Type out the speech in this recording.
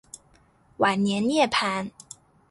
晚年涅盘。